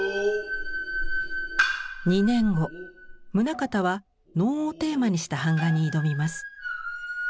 ２年後棟方は能をテーマにした板画に挑みます。